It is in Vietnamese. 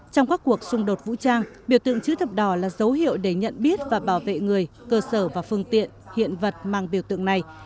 trong các cuộc xung đột vũ trang biểu tượng chữ thập đỏ là dấu hiệu để nhận biết và bảo vệ người cơ sở và phương tiện hiện vật mang biểu tượng này